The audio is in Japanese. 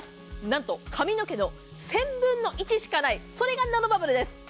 何と髪の毛の１０００分の１しかないそれがナノバブルです。